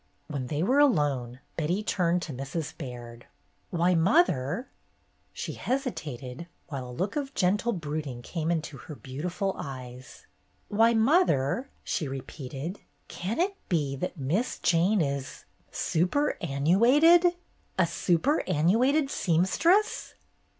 When they were alone, Betty turned to Mrs. Baird. "Why, mother —" She hesitated, while a THE TWINE WASH RAG 165 look of gentle brooding came into her beau tiful eyes. "Why, mother,'' she repeated, ''can it be that Miss Jane is — superannu ated ? A superannuated seamstress